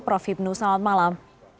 prof hipnu selamat malam